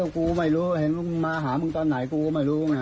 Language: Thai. ครับ